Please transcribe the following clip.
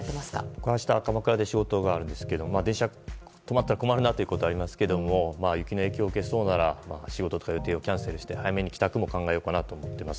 僕は、明日鎌倉で仕事があるんですが電車止まったら困るなということはありますけれども雪の影響を受けそうなら仕事とか予定をキャンセルして早めの帰宅も考えようかなと思っています。